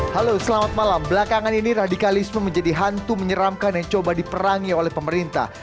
halo selamat malam belakangan ini radikalisme menjadi hantu menyeramkan yang coba diperangi oleh pemerintah